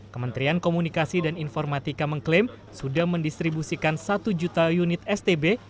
kementerian komunikasi dan informatika mengklaim sudah mendistribusikan satu juta unit stb